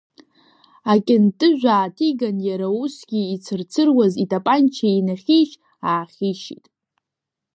Акьынтыжә ааҭиган, иара усгьы ицырцыруаз итапанча инахьишь-аахьишьит.